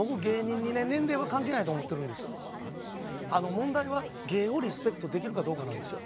問題は芸をリスペクトできるかどうかなんですよ。